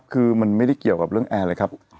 คือมันไม่ได้เกี่ยวกับเรื่องแอร์เลยครับ